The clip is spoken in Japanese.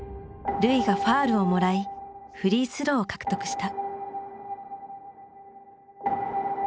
瑠唯がファウルをもらいフリースローを獲得した。